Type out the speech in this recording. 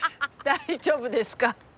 大丈夫ですか？